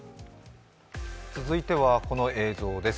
続いてはこの映像です。